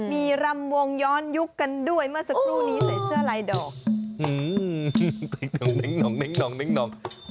มีรำวงย้อนยุคกันด้วยมาสักครู่นี้ใส่เสื้อลายดอก